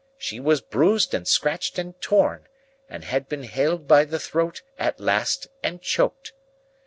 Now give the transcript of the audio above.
She was bruised and scratched and torn, and had been held by the throat, at last, and choked.